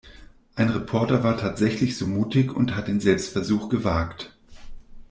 Ein Reporter war tatsächlich so mutig und hat den Selbstversuch gewagt.